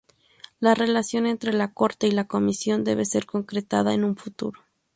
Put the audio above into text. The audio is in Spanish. La relación entre la Corte y la Comisión debe ser concretada en un futuro.